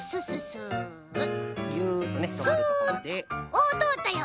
おおとおったよ。